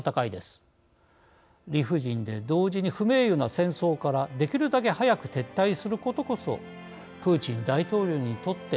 理不尽で同時に不名誉な戦争からできるだけ早く撤退することこそプーチン大統領にとって残された道のように思います。